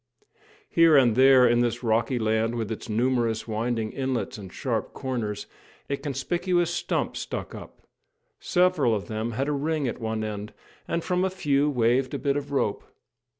Here and there in this rocky land with its numerous winding inlets and sharp corners, a conspicuous stump stuck up. Several of them had a ring at one end, and from a few waved a bit of rope.